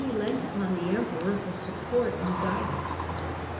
23 ieant upon the Emperor for support and guidance.